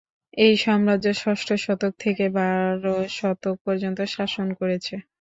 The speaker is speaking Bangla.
এই সম্রাজ্য ষষ্ঠ শতক থেকে বার শতক পর্যন্ত শাসন করেছে।